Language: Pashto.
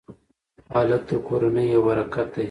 هلک د کورنۍ یو برکت دی.